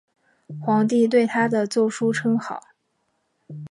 皇帝对他的奏疏称好。